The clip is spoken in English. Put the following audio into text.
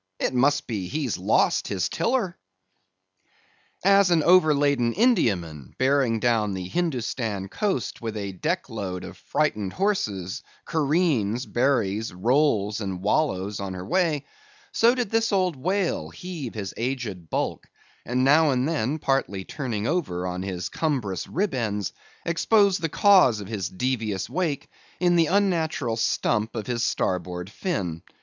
it must be, he's lost his tiller." As an overladen Indiaman bearing down the Hindostan coast with a deck load of frightened horses, careens, buries, rolls, and wallows on her way; so did this old whale heave his aged bulk, and now and then partly turning over on his cumbrous rib ends, expose the cause of his devious wake in the unnatural stump of his starboard fin.